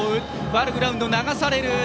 ファウルグラウンド、流される。